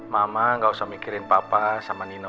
mama gak usah mikirin papa sama nino